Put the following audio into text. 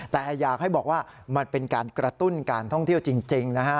แต่อยากให้บอกว่ามันเป็นการกระตุ้นการท่องเที่ยวจริงนะฮะ